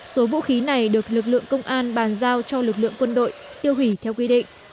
số vũ khí này được lực lượng công an bàn giao cho lực lượng quân đội tiêu hủy theo quy định